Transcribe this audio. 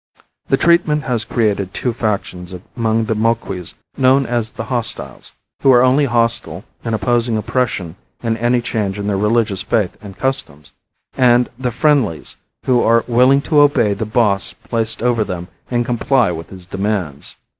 The treatment has created two factions among the Moquis known as the "hostiles" who are only hostile in opposing oppression and any change in their religious faith and customs; and the "friendlies" who are willing to obey the boss placed over them and comply with his demands.